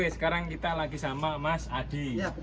sekarang kita lagi sama mas adi